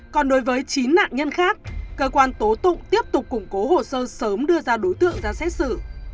còn đối với chín nạn nhân khác cơ quan tố tụng tiếp tục củng cố hồ sơ sớm đưa ra đối tượng ra xét xử